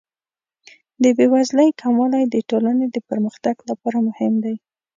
د بې وزلۍ کموالی د ټولنې د پرمختګ لپاره مهم دی.